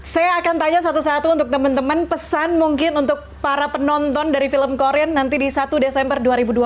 saya akan tanya satu satu untuk teman teman pesan mungkin untuk para penonton dari film korean nanti di satu desember dua ribu dua puluh